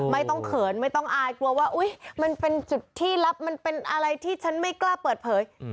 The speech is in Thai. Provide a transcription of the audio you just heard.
เขินไม่ต้องอายกลัวว่าอุ๊ยมันเป็นจุดที่ลับมันเป็นอะไรที่ฉันไม่กล้าเปิดเผย